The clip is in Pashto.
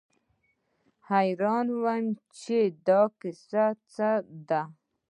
حيران وم چې دا څه کيسه ده.